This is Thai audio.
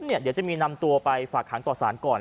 เดี๋ยวจะมีนำตัวไปฝากหางต่อสารก่อน